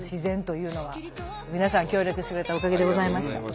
皆さん協力してくれたおかげでございました。